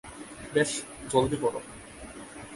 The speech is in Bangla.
বেশ, জলদি করো।